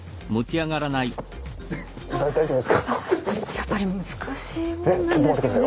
やっぱり難しいもんなんですよね。